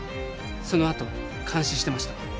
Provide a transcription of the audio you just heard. そのあと監視してました